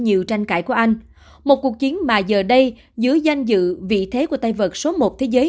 nhiều tranh cãi của anh một cuộc chiến mà giờ đây dưới danh dự vị thế của tay vật số một thế giới